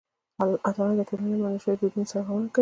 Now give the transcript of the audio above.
اتلان د ټولنې له منل شویو دودونو سرغړونه کوي.